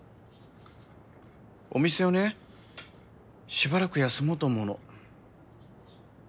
お店をねしばらく休もうと思うの。